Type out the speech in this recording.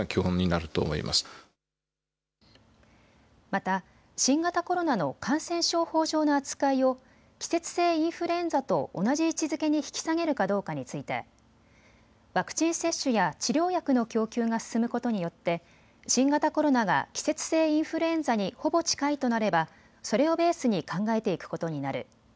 また新型コロナの感染症法上の扱いを季節性インフルエンザと同じ位置づけに引き下げるかどうかについてワクチン接種や治療薬の供給が進むことによって新型コロナが季節性インフルエンザにほぼ近いとなればそれをベースに考えていくことになる。